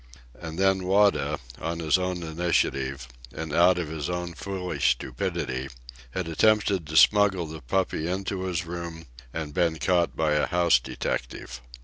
And then Wada, on his own initiative and out of his own foolish stupidity, had attempted to smuggle the puppy into his room and been caught by a house detective.